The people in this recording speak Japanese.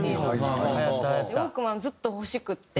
ずっと欲しくて。